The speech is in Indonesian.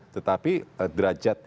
tetapi derajat ya